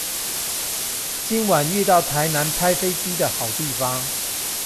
今晚遇到台南拍飛機的好地方